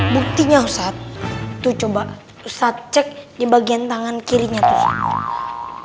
buktinya ustadz tuh coba ustadz cek di bagian tangan kirinya ustadz